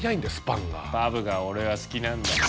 パブがオレは好きなんだ！